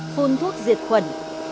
phun thuốc diệt khuẩn